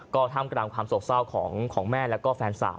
ก็ทำกรรมความโศกเศร้าของแม่และแฟนสาว